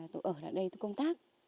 tôi ở lại đây tôi công tác